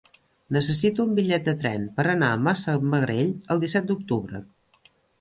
Necessito un bitllet de tren per anar a Massamagrell el disset d'octubre.